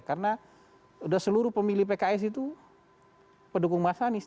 karena udah seluruh pemilih pks itu pendukung mas anies